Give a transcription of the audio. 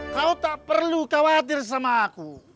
kau tak perlu khawatir sama aku